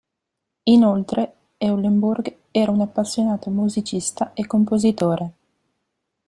Inoltre Eulenburg era un appassionato musicista e compositore.